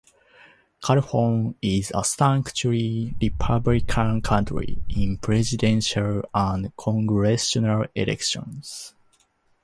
Calhoun is a staunchly Republican county in Presidential and Congressional elections.